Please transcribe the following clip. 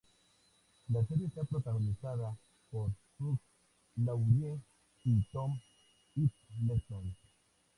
La serie está protagonizada por Hugh Laurie y Tom Hiddleston.